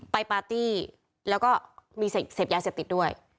ปาร์ตี้แล้วก็มีเสพยาเสพติดด้วย